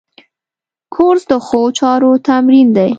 کورس د ښو چارو تمرین دی.